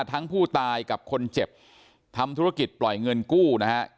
ทั้งผู้ตายกับคนเจ็บทำธุรกิจปล่อยเงินกู้นะฮะ